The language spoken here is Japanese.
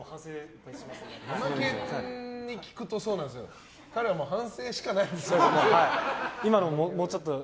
ヤマケンに聞くとそうなんですけど彼は反省しかないんですよ。